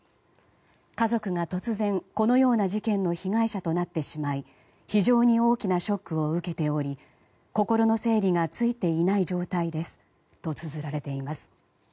家族が突然、このような事件の被害者となってしまい非常に大きなショックを受けており心の整理がついていない状態ですとつづられています。